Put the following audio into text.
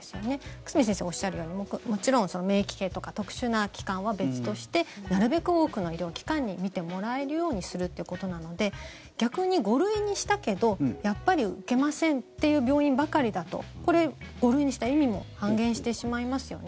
久住先生がおっしゃるようにもちろん免疫系とか特殊な機関は別としてなるべく多くの医療機関に診てもらえるようにするっていうことなので逆に５類にしたけどやっぱり受けませんっていう病院ばかりだとこれ、５類にした意味も半減してしまいますよね。